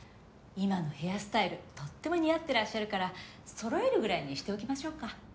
今のヘアスタイルとっても似合ってらっしゃるからそろえるぐらいにしておきましょうか。